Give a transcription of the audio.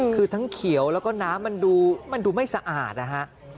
คือทั้งเขียวแล้วก็น้ำมันดูไม่สะอาดนะฮะ